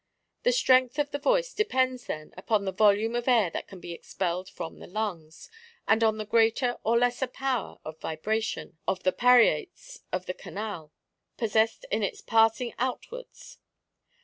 The strength of the voice depends, then, upon the volume of air that can We expelled from the lungs, and on the greater or lesser power of vibration of the parietes of the canal, possessed in its passing out wards.